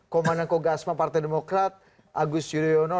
komandan kogasma partai demokrat agus yudhoyono